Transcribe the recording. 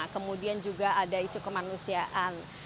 kemudian juga ada isu kemanusiaan